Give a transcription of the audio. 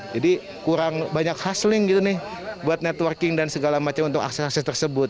kurang banyak khas link gitu nih buat networking dan segala macam untuk akses akses tersebut